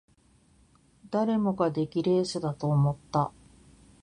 誰もが出来レースだと思った